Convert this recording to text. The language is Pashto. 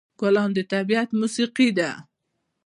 ګلان د طبیعت موسيقي ده.